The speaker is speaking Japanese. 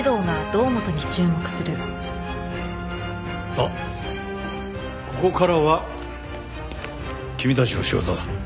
ああここからは君たちの仕事だ。